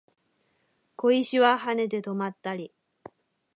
小石は跳ねて止まったり